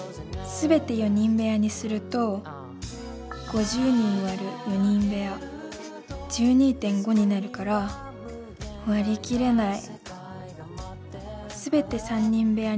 すべて３人部屋にすると５０人割る３人部屋１６．６６６になるから割り切れない。